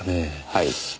はい。